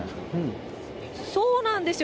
そうなんですよ。